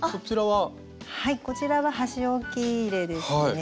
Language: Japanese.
はいこちらは箸置き入れですね。